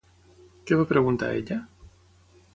Què va preguntar ella?